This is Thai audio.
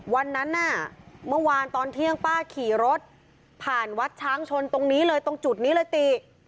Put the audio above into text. วันนั้นน่ะเมื่อวานตอนเที่ยงป้าขี่รถผ่านวัดช้างชนตรงนี้เลยตรงจุดนี้เลยติ